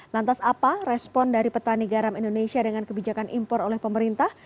lantas apa respon dari petani garam indonesia dengan kebijakan impor oleh pemerintah